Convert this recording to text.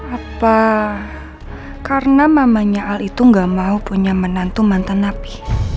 apa karena mamanya al itu gak mau punya menantu mantan napi